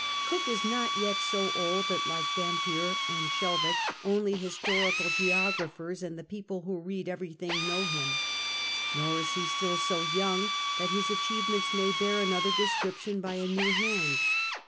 Cook is not yet so old that) like Dampier and Shelvocke, only historical geo graphers and the people who read everything know him 3 nor is he still so young that his achievements may bear another description by a new hand.